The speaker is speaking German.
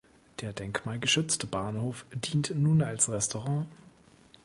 Der denkmalgeschützte Bahnhof dient nun als Restaurant.